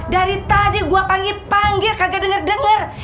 dari tadi gue panggil panggil kagak denger denger